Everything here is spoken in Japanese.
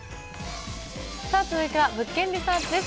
続いては「物件リサーチ」です。